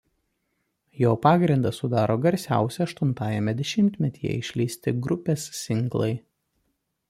Jo pagrindą sudaro garsiausi aštuntajame dešimtmetyje išleisti grupės singlai.